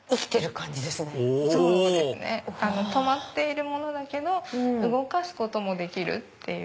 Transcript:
止まっているものだけど動かすこともできるっていう。